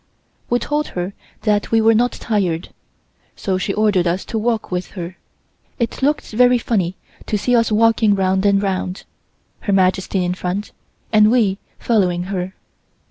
We told her that we were not tired, so she ordered us to walk with her. It looked very funny to see us walking round and round, Her Majesty in front, and we following her.